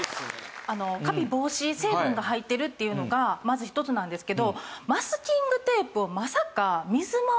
カビ防止成分が入ってるっていうのがまず一つなんですけど。